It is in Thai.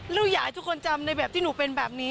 ลูกอยากให้ทุกคนจำในแบบที่หนูเป็นแบบนี้